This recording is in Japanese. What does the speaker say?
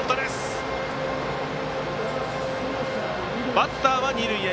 バッターは二塁へ。